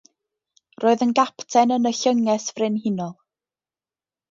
Roedd yn gapten yn y Llynges Frenhinol.